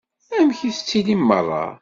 Amek i ttilin meṛṛa?